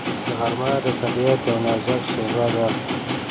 غرمه د طبیعت یو نازک شېبه ده